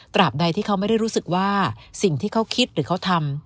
บใดที่เขาไม่ได้รู้สึกว่าสิ่งที่เขาคิดหรือเขาทำ